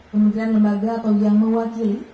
kementerian lembaga atau yang mewakili